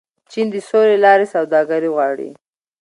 چین د سولې له لارې سوداګري غواړي.